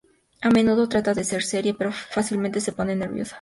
A menudo trata de ser seria, pero fácilmente se pone nerviosa.